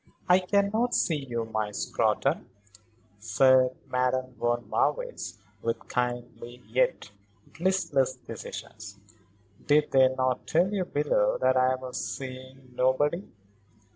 "I cannot see you, my Scrotton," said Madame von Marwitz, with kindly yet listless decision. "Did they not tell you below that I was seeing nobody?